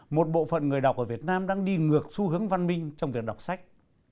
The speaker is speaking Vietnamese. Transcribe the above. một bộ phận người đọc ở việt nam đang đi ngược xu hướng văn minh trong việc đọc sách